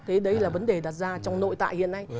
thế đây là vấn đề đặt ra trong nội tại hiện nay